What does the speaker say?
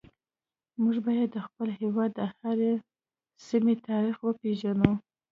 موږ باید د خپل هیواد د هرې سیمې تاریخ وپیژنو